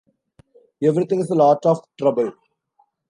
Everything's a lot of trouble.